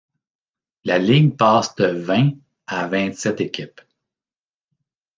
La ligue passe de vingt à vingt-sept équipes.